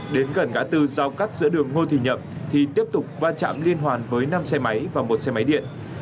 đến gần ngã tư giao cắt giữa đường ngô thị nhậm thì tiếp tục va chạm liên hoàn với năm xe máy và một xe máy điện